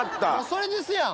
それですやん！